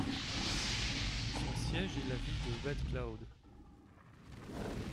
Son siège est la ville de Red Cloud.